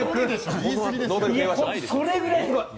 それぐらいすごい。